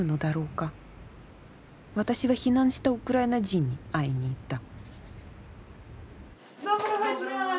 私は避難したウクライナ人に会いに行った。